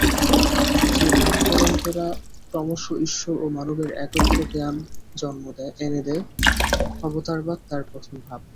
যে ভাব-পরম্পরা ক্রমশ ঈশ্বর ও মানবের একত্বজ্ঞান এনে দেয়, অবতারবাদ তার প্রথম ভাব।